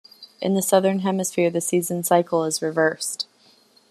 In the Southern Hemisphere the seasonal cycle is reversed.